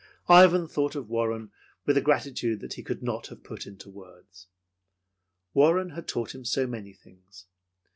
Ivan thought of Warren with a gratitude that he could not have put in words. Warren had taught him so many things.